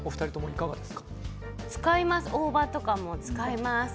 大葉とかは使います。